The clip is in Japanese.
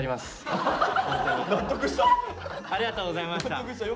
ありがとうございます。